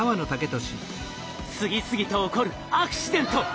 次々と起こるアクシデント。